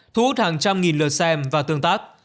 thu hút hàng trăm nghìn lượt xem và tương tác